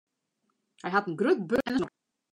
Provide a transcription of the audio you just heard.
Hy hat in grut burd en in snor.